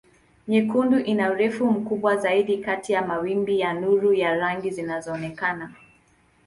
Nyekundu ina urefu mkubwa zaidi kati ya mawimbi ya nuru ya rangi zinazoonekana.